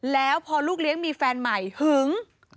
แล้วพอลูกเลี้ยงมีแฟนใหม่หึง